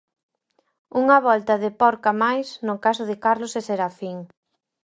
Unha volta de porca máis no caso de Carlos e Serafín.